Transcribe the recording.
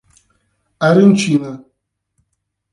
Arantina